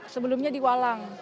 sebelumnya di walang